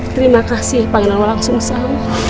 terima kasih panggilan walang sungsang